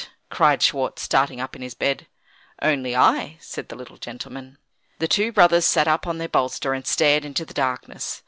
cried Schwartz, starting up in his bed. "Only I," said the little gentleman. The two brothers sat up on their bolster, and stared into the darkness.